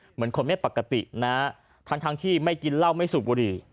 เหมือนคนไม่ปกตินะทั้งที่ไม่กินเหล้าไม่สูบบุหรี่